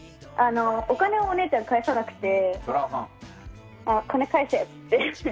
お金をお姉ちゃんが返さなくて金、返せ！って。